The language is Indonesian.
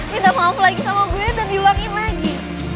minta maaf lagi sama gue dan diulangin lagi